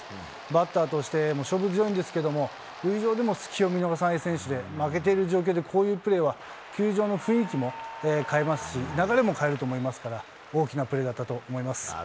バッターとしても勝負強いんですけれども、塁上でも隙を見逃さない選手で、負けてる状況で、こういうプレーは球場の雰囲気も変えますし、流れも変えると思いますから、大きなプレーだったと思います。